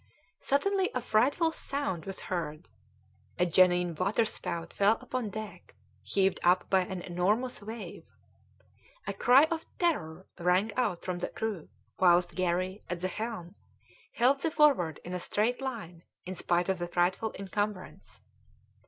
Suddenly a frightful sound was heard; a genuine waterspout fell upon deck, heaved up by an enormous wave. A cry of terror rang out from the crew whilst Garry, at the helm, held the Forward in a straight line in spite of the frightful incumbrance.